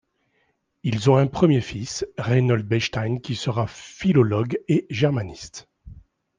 Ils ont un premier fils, Reinhold Bechstein, qui sera philologue et germaniste.